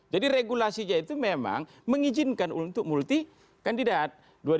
jadi regulasinya itu memang mengizinkan untuk multi kandidat